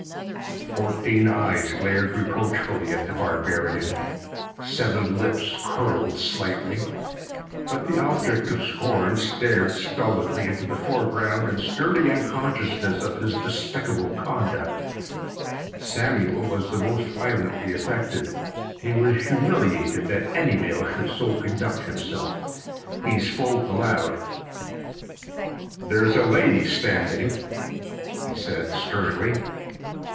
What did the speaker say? Fourteen eyes glared reproachfully at the barbarian; seven lips curled slightly; but the object of scorn stared stolidly into the foreground in sturdy unconsciousness of his despicable conduct. Samuel was the most violently affected. He was humiliated that any male should so conduct himself. He spoke aloud. "There's a lady standing," he said sternly.